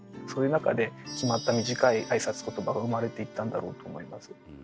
そういう中で決まった短い挨拶ことばが生まれていったんだろうと思います。